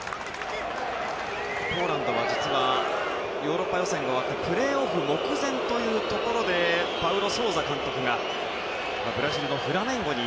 ポーランドは実はヨーロッパ予選が終わった時プレーオフ目前というところでパウロ・ソウザ監督がブラジルのフラメンゴに